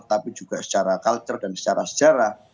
tapi juga secara culture dan secara sejarah